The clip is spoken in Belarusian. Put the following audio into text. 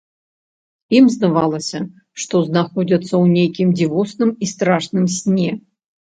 Ім здавалася, што знаходзяцца ў нейкім дзівосным і страшным сне.